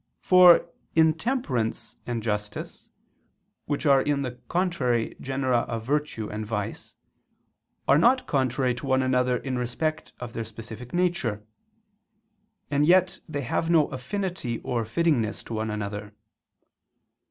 For intemperance and justice, which are in the contrary genera of virtue and vice, are not contrary to one another in respect of their specific nature; and yet they have no affinity or fittingness to one another.